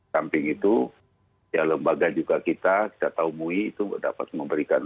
samping itu ya lembaga juga kita kita tahu mui itu dapat memberikan